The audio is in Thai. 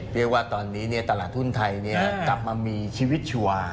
เรียกว่าตอนนี้ตลาดหุ้นไทยกลับมามีชีวิตชัวร์